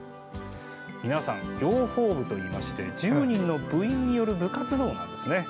皆さんは養蜂部といいまして１０人の部員がいる部活なんです。